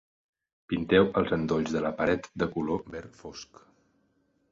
Pinteu els endolls de la pared de color verd fosc.